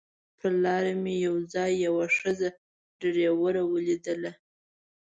پر لاره مې یو ځای یوه ښځینه ډریوره ولیدله.